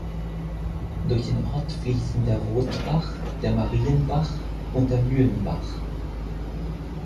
Durch den Ort fließen der Rotbach, der Marienbach und der Mühlenbach.